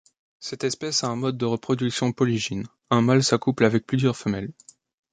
Cette espèce a un mode de reproduction polygyne, un mâle s'accouple avec plusieurs femelles.